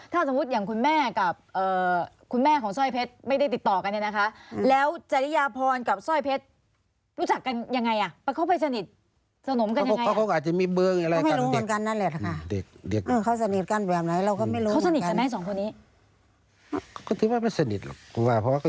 ถ้าสมมุติอย่างคุณแม่กับคุณแม่ของสร้อยเพชรไม่ได้ติดต่อกันเลยนะคะ